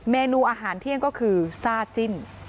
เมนูอาหารเที่ยงก็คือซ่าจิ้น